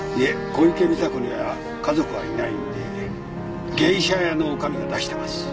小池美砂子には家族はいないんで芸者屋の女将が出してます。